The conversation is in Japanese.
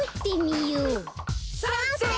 さんせい！